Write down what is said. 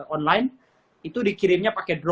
online itu dikirimnya pakai dron gitu